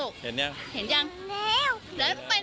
เครื่องบิน